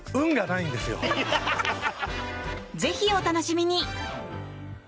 ぜひお楽しみに！